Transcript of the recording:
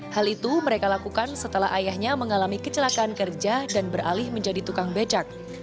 hal itu mereka lakukan setelah ayahnya mengalami kecelakaan kerja dan beralih menjadi tukang becak